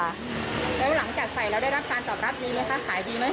แล้วหลังจากใส่แล้วได้รับการตอบรับดีไหมคะขายดีไหม